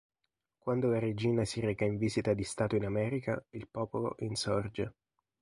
Quando la regina si reca in visita di stato in America, il popolo insorge.